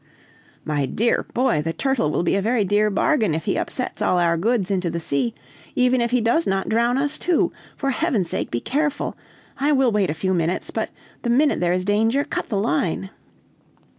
"My dear boy, the turtle will be a very dear bargain, if he upsets all our goods into the sea, even if he does not drown us too. For Heaven's sake be careful! I will wait a few minutes, but the minute there is danger, cut the line."